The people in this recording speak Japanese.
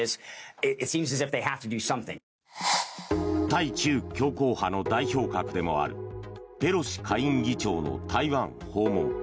対中強硬派の代表格でもあるペロシ下院議長の台湾訪問。